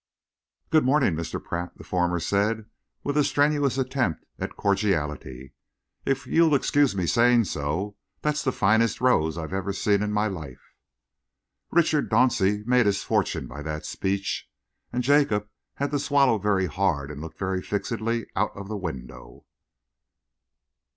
"Good morning, Mr. Pratt," the former said, with a strenuous attempt at cordiality. "If you'll excuse my saying so, that's the finest rose I've ever seen in my life." Richard Dauncey made his fortune by that speech and Jacob had to swallow very hard and look very fixedly out of the window.